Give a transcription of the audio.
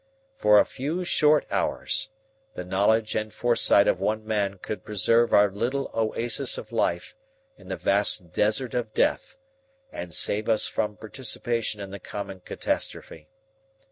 For a few short hours the knowledge and foresight of one man could preserve our little oasis of life in the vast desert of death and save us from participation in the common catastrophe.